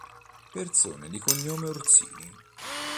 Persone di cognome Orsini